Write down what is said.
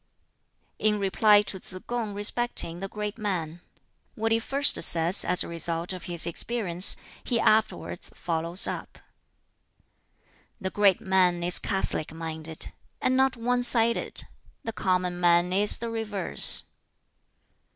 In reply to Tsz kung respecting the great man: "What he first says, as a result of his experience, he afterwards follows up. "The great man is catholic minded, and not one sided. The common man is the reverse.